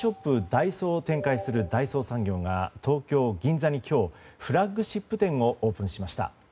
ダイソーを展開する大創産業が東京・銀座に今日フラッグショップ店をオープンしました。